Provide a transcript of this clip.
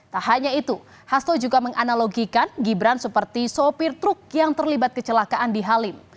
tak hanya itu hasto juga menganalogikan gibran seperti sopir truk yang terlibat kecelakaan di halim